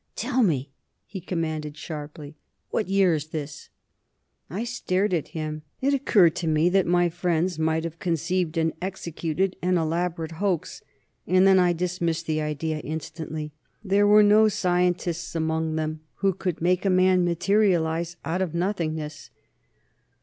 "Tell me," he commanded sharply, "what year is this?" I stared at him. It occurred to me that my friends might have conceived and executed an elaborate hoax and then I dismissed the idea, instantly. There were no scientists among them who could make a man materialize out of nothingness.